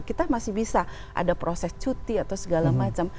kita masih bisa ada proses cuti atau segala macam